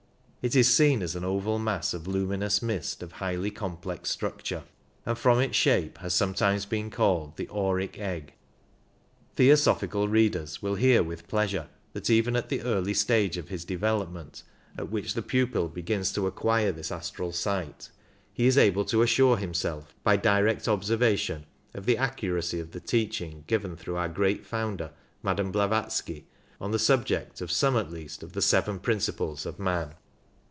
It is seen as an oval mass of luminous mist of highly com plex structure, and from its shape has sometimes been called the auric egg. Theosophical readers will hear with pleasure that even at the early stage of his development at which the pupil begins to acquire this astral sight, he is able to assure himself by direct observation of the accuracy of the teaching given through our great founder, Madame Blavatsky, on the subject of some at least of the seven principles of man.